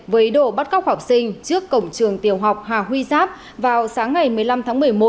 với ý đồ bắt cóc học sinh trước cổng trường tiểu học hà huy giáp vào sáng ngày một mươi năm tháng một mươi một